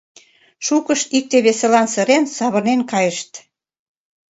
Шукышт, икте-весылан сырен, савырнен кайышт.